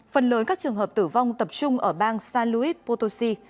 phần lớn các trường hợp tử vong tập trung ở bang san luis potosi